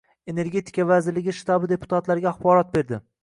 Energetika vazirligi shtabi deputatlarga axborot berdi